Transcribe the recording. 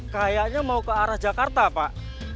kayaknya mau ke arah jakarta pak